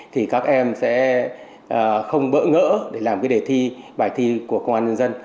thì các em sẽ không bỡ ngỡ để làm cái đề thi bài thi của công an nhân dân